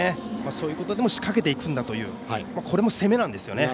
そういうことでも仕掛けていくんだというこれも攻めなんですよね。